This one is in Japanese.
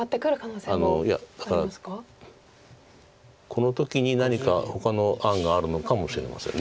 この時に何かほかの案があるのかもしれません。